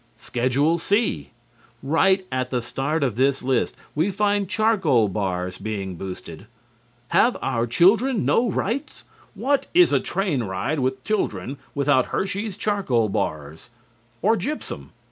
Schedule C Right at the start of this list we find charcoal bars being boosted. Have our children no rights? What is a train ride with children without Hershey's charcoal bars? Or gypsum?